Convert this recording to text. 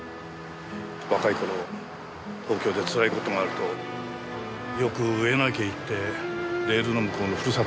若い頃東京でつらい事があるとよく上野駅へ行ってレールの向こうの故郷を思った。